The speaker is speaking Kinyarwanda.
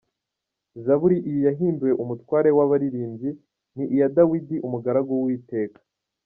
Zaburi iyi yahimbiwe umutware w’abaririmbyi. Ni iya Dawidi, umugaragu w’Uwiteka.